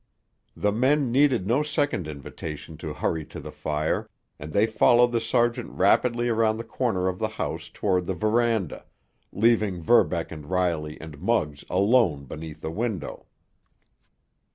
The men needed no second invitation to hurry to the fire, and they followed the sergeant rapidly around the corner of the house toward the veranda, leaving Verbeck and Riley and Muggs alone beneath the window.